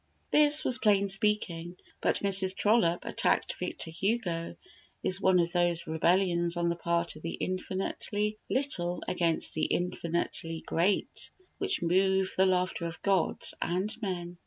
This was plain speaking; but Mrs. Trollope attacking Victor Hugo is one of those rebellions on the part of the infinitely little against the infinitely great which move the laughter of gods and men.